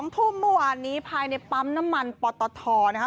๒ทุ่มเมื่อวานนี้ภายในปั๊มน้ำมันปตทนะคะ